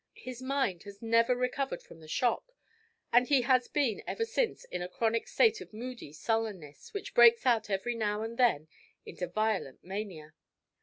His mind has never recovered from the shock, and he has been ever since in a chronic state of moody sullenness which breaks out every now and then into violent mania.